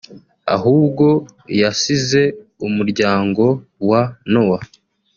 ahubwo yasize umuryango wa Nowa